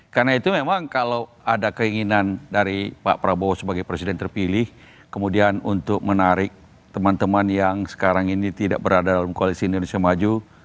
karena itu memang kalau ada keinginan dari pak prabowo sebagai presiden terpilih kemudian untuk menarik teman teman yang sekarang ini tidak berada dalam koalisi indonesia maju